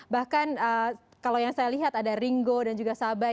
bahkan kalau yang saya lihat ada ringo dan juga sabay